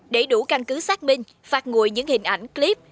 để đủ canh cứ xác minh phạt ngùi những hình ảnh clip